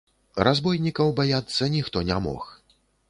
Разбойнікаў баяцца ніхто не мог.